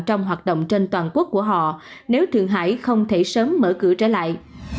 trong hoạt động trên toàn quốc của họ nếu trường hải không thể sớm mở cửa trở lại